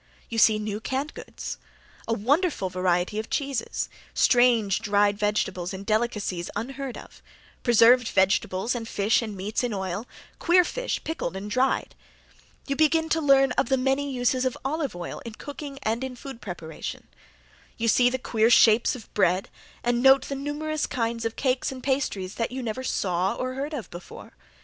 You see new canned goods; a wonderful variety of cheeses; strange dried vegetables and delicacies unheard of; preserved vegetables and fish and meats in oil; queer fish pickled and dried. You begin to learn of the many uses of olive oil in cooking and in food preparation. You see the queer shapes of bread, and note the numerous kinds of cakes and pastry that you never saw or heard of before.